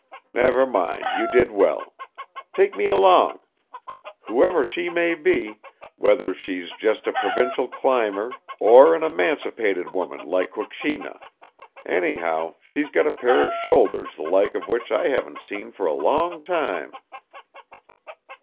Never mind, you did well. Take me along. Whoever she may be, whether she's just a provincial climber or an 'emancipated' woman like Kukshina anyhow she's got a pair of shoulders the like of which I haven't seen for a long time."